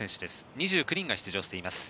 ２９人が出場しています。